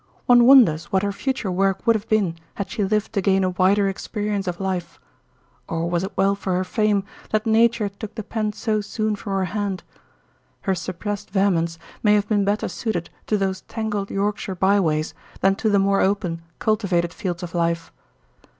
One wonders what her future work would have been, had she lived to gain a wider experience of life; or was it well for her fame that nature took the pen so soon from her hand? Her suppressed vehemence may have been better suited to those tangled Yorkshire byways than to the more open, cultivated fields of life.